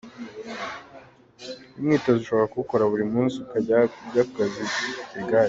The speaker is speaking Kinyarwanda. Uyu mwitozo ushobora kuwukora buri munsi, ukajya ujya ku kazi ku igare.